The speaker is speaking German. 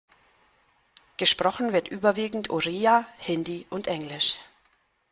Gesprochen wird überwiegend Oriya, Hindi und Englisch.